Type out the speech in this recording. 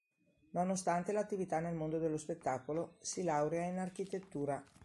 Nonostante l'attività nel mondo dello spettacolo, si laurea in architettura.